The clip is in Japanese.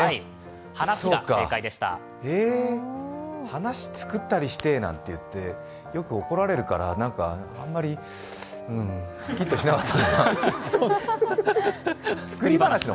話作ったりしてなんていってよく怒られるから、あまりすきっとしなかったな。